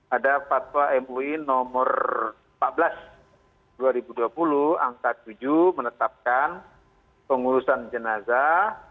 ada fatwa mui nomor empat belas dua ribu dua puluh angka tujuh menetapkan pengurusan jenazah